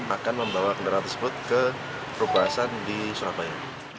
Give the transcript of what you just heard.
akan membawa kendaraan tersebut ke perubahasan di surabaya